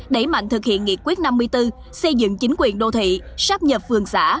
đẩy mạnh thực hiện nghị quyết năm mươi bốn xây dựng chính quyền đô thị sáp nhập vườn xã